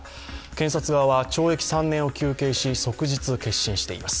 検察側は懲役３年を求刑し即日結審しています。